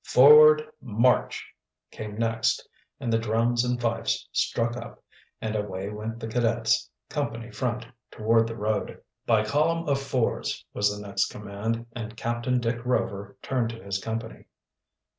"Forward march!" came next, and the drums and fifes struck up, and away went the cadets, company front, toward the road. "By column of fours!" was the next command, and Captain Dick Rover turned to his company.